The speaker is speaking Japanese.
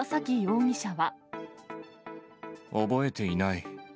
覚えていない。